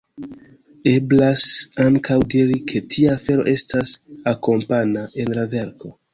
Eblas ankaŭ diri ke tia afero estas “akompana” en la verko.